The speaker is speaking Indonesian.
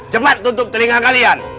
cepat tutup telinga kalian